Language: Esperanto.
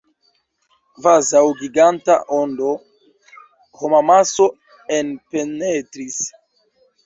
Kvazaŭ giganta ondo, homamaso enpenetris.